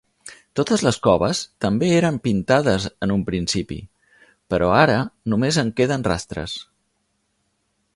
Totes les coves també eren pintades en un principi, però ara només en queden rastres.